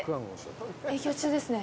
営業中ですね。